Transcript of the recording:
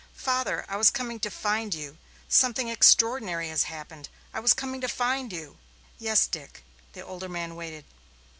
"Father! I was coming to find you. Something extraordinary has happened. I was coming to find you." "Yes, Dick." The older man waited.